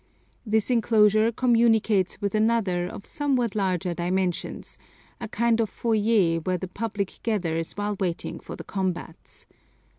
This enclosure communicates with another of somewhat larger dimensions, a kind of foyer where the public gathers while waiting for the combats.